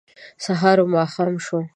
سهار و ماښام شو